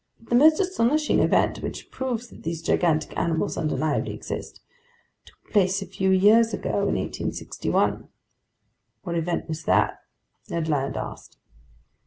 But the most astonishing event, which proves that these gigantic animals undeniably exist, took place a few years ago in 1861." "What event was that?" Ned Land asked.